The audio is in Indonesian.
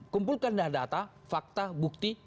kumpulkan dah data fakta bukti